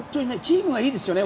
本当にチームがいいですよね。